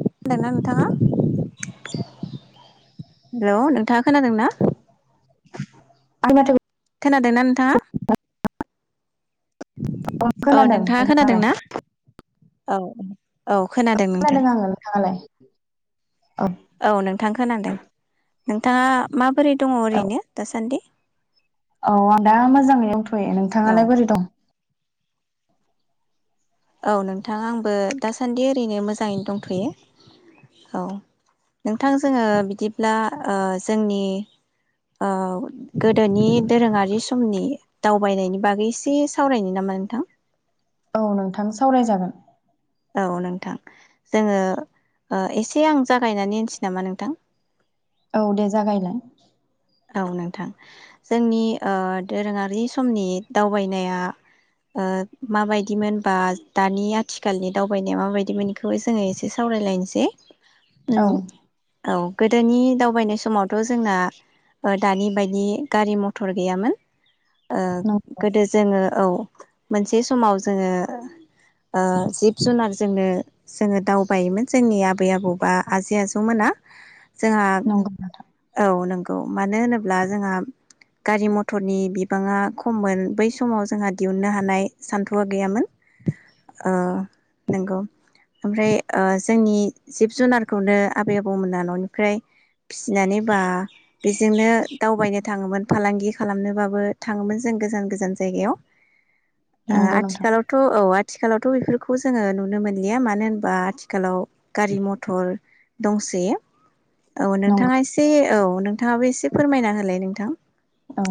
खोनादों ना नोंथाङा? हेल' नोंथाङा खोनादों ना? [inaudible] खोनादोंना नोंथाङा? औ खोनादों नोंथाङा खोनादों नोंथाङालाय ना? औ औ। खोनादों आङो। नोंथाङालाय? औ नोंथां खोनादों। नोंथाङा मा बोरै दङ औ ओरैनो दासान्दि? औ आं दा मोजाङै दंथ'यो औ नोंथाङालाय बोरै दं? औ नोंथां आंबो दासान्दि ओरैनो मोजाङैनो दंथ'यो औ नोंथां जोङो बिदिब्ला जोंनि गोदोनि दोरोङारि समनि दावबायनायनि बागै एसे सावरायनो नामा नोंथां औ नोंथां सावरायजागोन। औ नोंथां जोङो एसे आं जागायनानै होनसै नामा नोंथां? औ दे जागायलाय। औ नोंथां जोंनि दोरोङारि समनि दावबायनाया माबायदिमोन बा दानि आथिखालनि दावबायनाया माबायदिमोन बेखौ जोङो एसे सावरायलायनोसै। औ उम औ। गोदोनि दावबायनाय समावथ' जोंना दानि बायदि गारि मथर गैयामोन। ओ नंगौ गोदो जोङो औ मोनसे समाव जोङो ओ जिब जुनारजोंनो जोङो दावबायोमोन जोंनि आबै आबौ बा आजै आजौमोना जोंहा नंगौ नोंथां औ नंगौ। मानो होनोब्ला जोंहा गारि मथरनि बिबाङा खममोन बै समाव जोंहा दिहुननो हानाय सान्थौआ गैयामोन नंगौ ओमफ्राय जोंनि जिब जुनारखौनो आबै आबौमोना न'निफ्राय फिसिनानै बा बेजोंनो दावबायनो थाङोमोन फालांगि खालामनोबाबो थाङोमोन जों गोजान गोजान जायगायाव। नंगौ नोंथां आथिखालावथ' औआ आथिखालावथ' बेफोरखौ जोङो नुनो मोनलिया मानो होनबा आथिखालाव गारि मथर दंसै। औ नंगौ नोंथाङा एसे औ। नोंथाङाबो एसे फोरमायना होलाय नोंथां? औ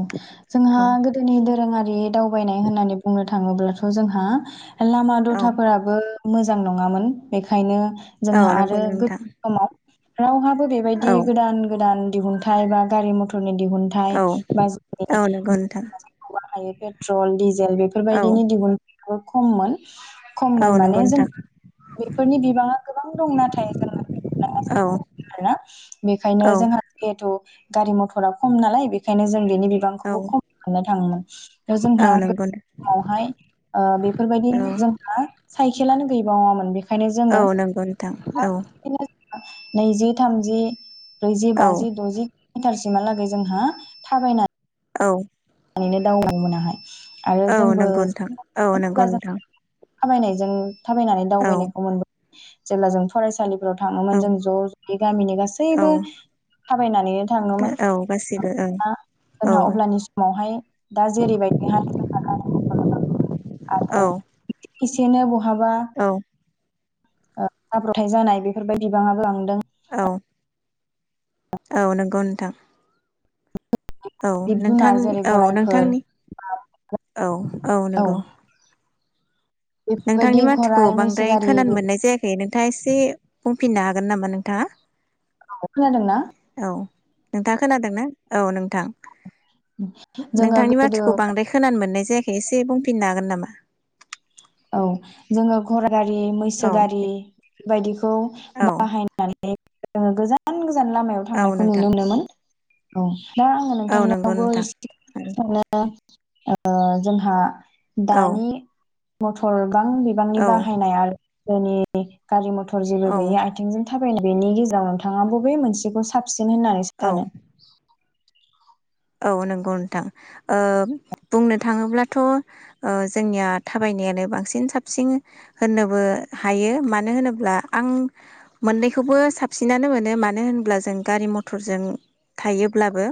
जोंहा औ गोदोनि दोरोङारि दावबायनाय होननानै बुंनो थाङोब्लाथ' जोंहा लामा औ दथाफोराबो मोजां नङामोन बेखायनो औ जोंहा नंगौ आरो गोदोनि नोंथां समाव रावहाबो बेबायदि औ गोदान गोदान दिहुनथायाइ बा गारि मथरनि दिहुुन थाइ औ [inaudible] औ नंगौ नोंथां पेट्र'ल दिजेल' जेल औ बेफोरबायदिनि दिहुन खममोन। औ खममोन नंगौ माने जों नोंथां बेफोरनि बिबाङा गोबां दं नाथाय जों औ आरोना बेखायनो औ जोंहा जिहेथु [inaudible] गारि मथरा खम नालाय बे बेखायनो जों बेनि औ बिबांखौबो खम मोननो थाङोमोन। दा औ जोंहा गो नंगौ गावहाय ओ बेफोरबायदि औ जोंहा साइकेलानो गैबावामोन बेखायनो औ जोंहा नंगौ नोंथां औ नैजि थामजि ब्रैजि औ बाजि द'जि मिटारसिमहालागै जोंहा थाबायनाय औ। हहहनैनो दावबायनो मोनाहाय आरो औ जोंबो नंगौ नोंथां औ नंगौ नोंथां। खामायनायजों थाबायनानै औ दावबायनायखौ मोनबो जेब्ला जों फरायसालि व औ थाङोमोन जों ज' ज'यै गामिनि औ गासैबो थाबायनानै थाङोमोन औ गासिबो औ औ जोंहा अब्ला समावहाय दा जेरैबायदिहाय [inaudible] औ आरो जेने हाबा औ जाब्रथाय जानाय बेफोरबायदि बिबाङाबो लांदों औ। औ नंगौ नोंथां। औ जिब जुनार नोंथांनि जेरै औ गराइफोर नोंथांनि औ औ नंगौ। नोंथांनि बेफोरबायदि मथिखौ गराइ मैसो बांद्राय गारि खोनानो बेफोरखौ मोननाय जायाखै नोंथाङा एसे बुंफिननो हागोन नामा नोंथाङा? औ खोनादोंना? औ नोंथाङा खोनादों न औ नोंथां। जोङो नोंथांनि गोदो माथोखौ बांद्राय खोनानो मोननाय जायाखै। एसे बुंफिननो हागोन नामा? औ जोङो गराय गारि मैसो औ गारि दे बायदिखौ औ बाहायनानै गोजान [inaudible] गोजान लामायाव औ थांनायखौ नोंथां नुनो मोनोमोन। औ। दा आङो औ नंगौ नोंथांनिवाबो नोंथां एसे औ सानो [inaudible] ओ जोंहा दानि मथर गोबां बिबांनि औ बाहायनाय आरो [inaudible] दोनि गारि मथर जेबो औ गैया आथिंजों थाब बेनि गेजेराव नोंथाङा बबे मोनसेखौ साब सिन होननानै औ सानो? औ नंगौ नोंथां बुंनो ओ बुंनो थाङोब्लाथ ओ जोंनिया थाबायनायानो बांसिन साबसिन होननोबो हायो मानो होनोब्ला आं मोननैखौबो साबसिनानो मोनो मानो होब्ला जों गारि मथरजों थायोब्लाबो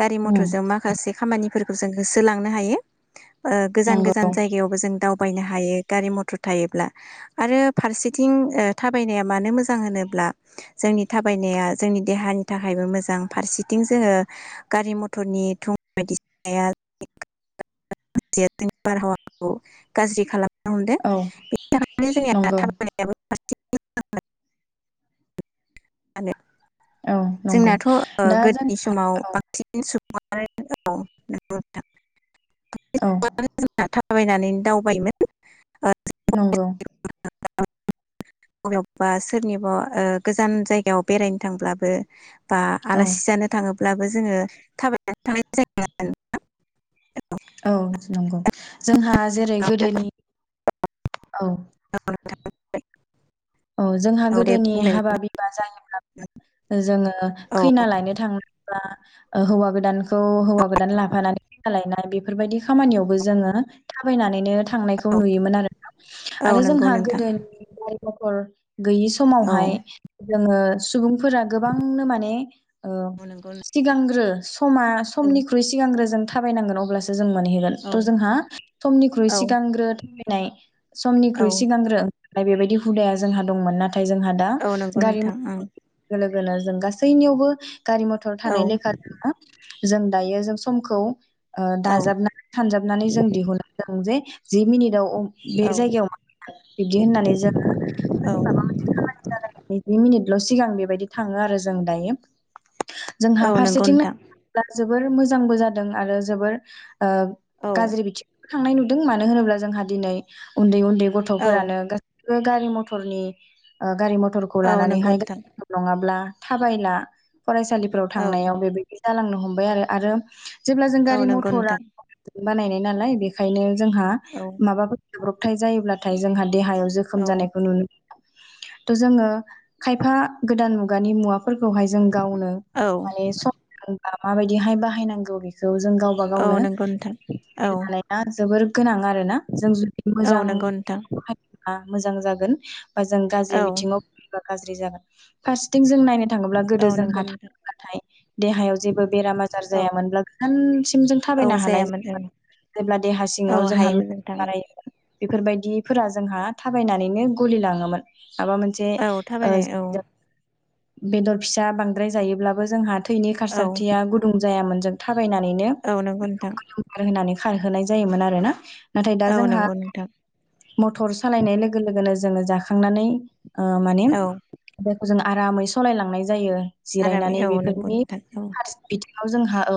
गारि उम मथरजों माखासे खामानिफोरखौ जों होसोलांनो हायो। ओ गोजान गोजान नंगौ जायगायावबो जों दावउ थाबायनो हायो गारि मथर थायोब्ला आरो फारसेथिं ओ थाबायनाया मानो मोजां होनोब्ला जोंनि थाबायनाया जोंनि देहानि थाखायबो मोजां फारसेथिं जोङो। गारि मथरनि थुं बायदिसिनाया [inaudible] [unintelligible] बारहावाखौ गाज्रि खालाम [inaudible] [unintelligible] औ बेनि थाखायनो जोंनिया नंगौ थाबायनायाबो औ [inaudible] नंगौ जोंनाथ ओ दा गोदोनि जोंहा समाव औ बांसिन सुबुं [inaudible] [inaudible] औ [inaudible] थाबायनानै दावबायमोन [inaudible] नंगौ। बबेयावबा सोरनिबा ओ गोजान जायगायाव बेरायनो थांब्लाबो-' बा औ आलासि जानो थाङो बो जोङो थाबायनानै थांनाय जायो [unintelligible] औ नंगौ। जोंहा जेरै गोदोनि [inaudible] औ। जायोमोन औ जोंहा औ दे गोदोनि बुंलाय हाबा बिबा जायोब्लाबो जोङो औ खैना लायनो थांङोबा ओ हौवा गोद दानखौ [inaudible] थांनायखौ औ नुयोमोन आरोना औ आरो नंगौ जोंहा नोंथां गोदोनि [inaudible] [inaudible] गैयि औ समावहाय जोङो सुबुंफोरा गोबांनो माने औ सिगांग्रो। समा औ समनिख्रुइ सिगांग्रो जों थाबायनांगोन अब्लासो जों मोनहैगोन त' औ जोंहा समनिख्रुइ सिगांग्रो नै औ समनिख्रुइ सिगांग्रो ओफ्राय बेबायदि हुदाया जोंहा दंमोन नाथाय नाथाय जोंहा दा औ नंगौ गारि नोंथां मथर फैनाय लो गोना जों गासैनियावबो गारि मथ'र थानाय ओं लेखा जोङो जों दायो जों समखौ ओ औ दाजाबनानै सानजाबनानै जों दिहुनलांदों जे जि मिनिटआव [inaudible] बे औ जायगायाव मा बिदि होननानै जों माबा मोनसे खामानि नैजि मिनिटल' सिगां बेबायदि थां [inaudible] थाङो आरो जों दायो। औ जोंहा नंगौ नोंथां फारसेथिंनायोब्ला जों जोबोर मोजांबो जादों आरो जोबोर ओ औ गाज्रि बिथिं थांनाय नुदों मानो होनोब्ला जोंहा दिनै उन्दै उन्दै उन्दै औ गथ'फोरानो [inaudible] गारि मथ'रनि ओ गारि मथ'र खौ औ लानानैहाय नंगौ गारि नोंथां मथ'र नङाब्ला थाबायना फरायसालिफोराव औ थांनायाव बेबायदि जालांनो हमबाय आरो आरो जेब्ला जों औ गारि नंगौ मथ'रा नोंथां बानायनाय नालाय बेखायनो जोंहा औ माबाफोर जाब्रबथाय जायोब्लाथाय जोंहा देहाया औ जोखोम जानायखौ नुनो मोनो। थ' जोङो खायफा गोदान मुगानि मुवा फोरखौहाय जों गावनो औ माने माबायदिहाय बाहायनांगौ बेखौ जों गावबा औ गावनो नंगौ नोंथां औ [unintelligible] खालानाया जोबोर [inaudible] गोनां आरोना जों जुदि औ मोजां नंगौ नोंथां [unintelligible] आ मोजां जागोन। ओ जों गाज्रि औ बिथिङाव गाज्रि जागोन फारसेथिं जों नायनो बुंनो थाङोब्ला गोदो औ नंगौ जोंहा नोंथां [unintelligible] नाथाय देहायाव जेबो बेराम आजार औ जायामोनब्ला गोजानसिम जों औ थाबायनो हानाय जायामोन ओं जायोमोन जेब्ला देहा औ सिङाव जोंहा हायोमोन नोंथां [unintelligible] बेफोरबायदिफोरा जोंहा थाबायनानैनो गलि लाङोमोन। माबा मोनसे औ ओ थाबायनाय औ [unintelligible] बेदर फिसा बांद्राय जायोब्लाबो जोंहा थैनि औ खारसारथिया गुदुं जायामोन। था थाबायनानै औ नंगौ बेखौ नोंथां [unintelligible] होनानै खारहोनाय जायोमोन आरो ना? औ नंगौ नोंथां। मटर जों सालायनाय लोगो लोगोनो जोङो जाखांनानै ओ माने औ जों आरामै सलायलांनाय जायो आरामै जिरायनानै औ नंगौ बेफोरनि नोंथां औ हार [unintelligible] बियाव जोंहा औ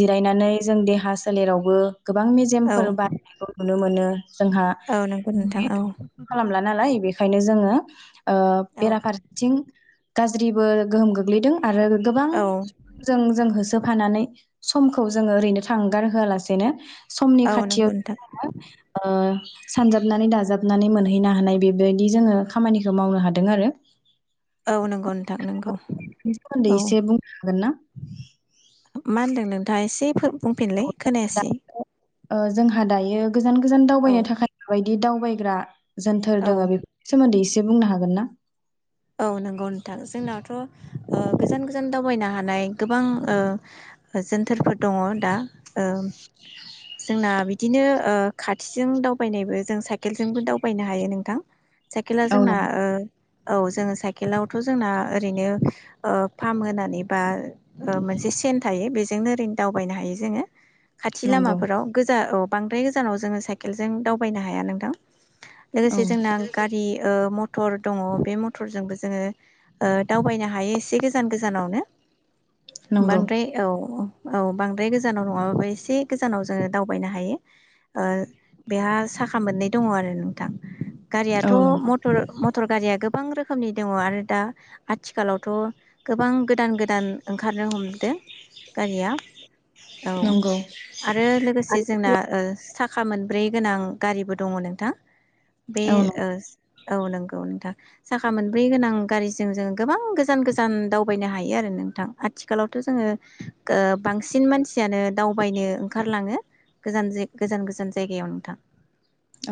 जिरायनानै जों देहा सोलेरावबो गोबां औ मेजेमफोर बारिनायखौ [unintelligible] नुनो मोनो। जोंहा औ नंगौ नोंथां बे औ [unintelligible] खालामला नालाय बेखायनो जोङो ओ औ बेराफारसेथिं गाज्रिबो गोहोम गोग्लैदों आरो गोबां औ जों जों होसोफानानै समखौ जोङो ओरैनो थांगार होआलासेनो समनि औ नंगौ नोंथां खाथियावो [unintelligible] ओ [inaudible] सानजाबनानै दाजाब थनानै मोनहैनो हानाय बिबायदि जोङो खामानिखौ मावनो हादों आरो। औ नंगौ नोंथां नोंगौ। सदै एसे बुंनो हागोन ना? [inaudible] मा होनदों नोंथाङा एसे खो बुंफिनलै खोनायासै। ओ जोंहा दायो गोजान गोजान औ दावबायनो थाखाय बायदि दि दावबायग्रा जोनथार औ दङ बेफोरनि सोमोन्दैसे एसे बुंनो हागोन ना? औ नंगौ नोंथां जोंनावथ' ओ गोजान गोजान दावबायनो हानाय गोबां ओ जोनथोरफोर दङ दा ओ जोंना बिदिनो ओ खाथिजों दावबायनायबो जों साइकेलजोंबो दावबायनो हायो नोंथां। साइकेेल औ जोंना नंगौ ओ औ जोङो साइकेलावथ' जोंना ओरैनो फाम होनानै बा ओ मोनसे सेन थायो बे जोंनो ओरैनो दावबायनो हायो जोङो खाथि नंगौ लामाफोराव गोजा औ। बांद्राय गोजानाव जोङो साइके साइकेलजों दावबायनो हाया नोंथां लोगोसे औ जोंना गारि ओ मथर दङ। मथरजोंबो जोङो ओ दावबायनो हायो एसे गोजान गोजानावनो। नंगौ बांद्राय औ। औ बांद्राय गोजानाव नङाबाबो एसे गोजानाव जोङो दावबायनो हायो ओ बेहा साखा मोननै दङ आरो नोंथां। गारियाथ' औ नंगौ मर मटर गारिया गोब गोबां रोखोमनि दङ आरो दा आथिखालावथ' गोबां गोदान गोदान ओंखारनो हमदों गारिया औ नंगौ आरो लोगोसे जोंना ओ। खा मोनब्रै गोनां गारिबो दङ नोंथां। बे औ नंगौ ओ औ नंगौ नोंथां। साखा मोनब्रै गोनां गारिजों जोङो गोबां गोजान गोजान दावबायनो हायो आरो नोंथां आथिखालावथ' जोङो ओ बांसिन मानसियानो दावबायनो ओंखारलाङोज गोजान गोजान जायगायाव नोंथां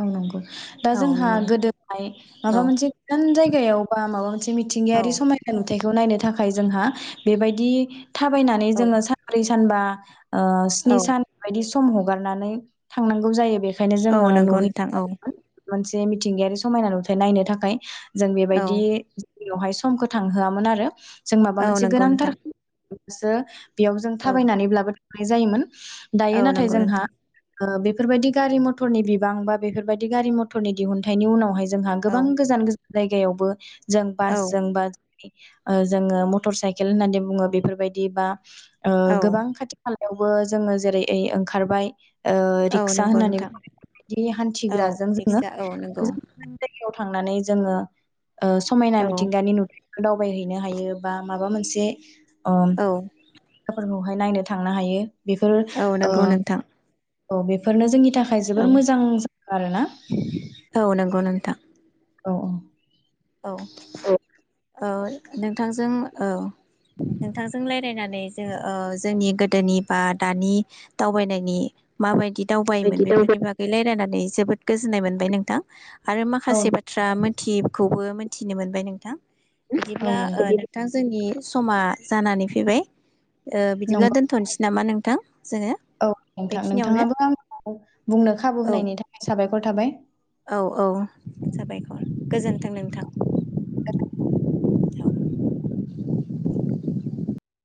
औ नंगौ दा औ जोंहा नंगौ गोदोहाय माबा औ मोनसे गोजान जाय गायावबा माबा मोनसे औ मिथिंगायारि समायना नुथायाइखौ नायनो थाखाय थाखाय जोंहा बेबायदि थाबायनानै औ जोङो सानब्रै सानबा ओ स्नि औ सान बायदि सम हगारनानै थांनांगौ जायो बेखायनो औ जोङो नंगौ नुहै नोंथां औ। मोनसे मिथिंगायारि समायना नुथाय नायनो थाखाय जों बेबायदि औ दैयावहाय समखौ थांहोआमोन आरो। जों माबा औ मोनसे नंगौ गोनांथार नोंथां बोसो बेयाव जों औ थाबायनानैब्लाबो बि जायोमोन। दायो औ नाथाय नंगौ जोंहा नोंथां अ बेफोर बायादि गारि -मथर मटरनि बिबां बा बेफोरबायादि गारि -मथरनि दिहुनन्थाइ उनावहाय जोंहा औ गोबां गोजान -गोजान जायगायावबो जों बास औ जों बा जोंङो मटर साइकेल होननानै बुंङो बेफोरबायदि बा ओ औ गोबां खाथि -खाला बेवबो जोंङो जेरै ऐ ओंखारबाय ओ औ रिक्सा नंगौ होननानै नोंथां बिदि औ हान्थिग्राजों जोंङो जायखिया औ नंगौ बेयाव थांनानै जोंङो समायना औ मिथिंगानि नुथ दावबाय हैनो हायो बा माबा मोनसे अ औ बेवहाय नायनो थांनो हायो। बेफोरो औ अ नंगौ नोंथां औ बेफोरनो जोंनि थाखाय थाखाय औ जोबोर मोजां जा आरो ना औ नंगौ नोंथां। औ -औ। औ। औ औ नोंथांजों औ नोंथांजों लायरायनानै जोंङो ओ जोंनि गोदोनि बा दानि दावबायनायनि माबायदि दावबायोमोन बिदि दावबाय बेफोरनि बागै लायरायना नै जोबोद गोजोन्नाय मोनबाय नोंथां। आरो औ माखासे बाथ्रा मोनथि बो मोनथिनो मोनबाय नोंथां। औ बिदिब्ला ओ नंगौ नोंथां जोंनि समा जानानै फैबाय। ओ बिदिब्ला नंगौ दोनथ'नोसै नामा नों थां। औ नोंथां नोंथाङाबो आंखौ बुंनो खाबु होनायनि थाखाय साबाय [inaudible] खर थाबाय। औ-औ साबायखर गोजोन्थों नोंथां। [inaudible]